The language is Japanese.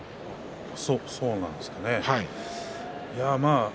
そうなんですかね。